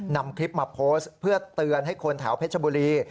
นำคลิปมาโพสต์เพื่อเตือนให้คนแถวเพชรบุรี